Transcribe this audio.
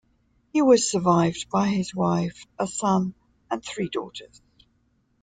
He was survived by his wife, a son, and three daughters.